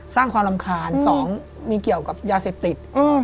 สร้างความรำคาญ๒มีเกี่ยวกับยาเสพติด